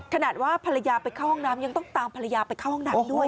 ขนาดว่าภรรยาไปเข้าห้องน้ำยังต้องตามภรรยาไปเข้าห้องน้ำด้วย